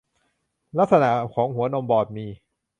ลักษณะของหัวนมบอดมี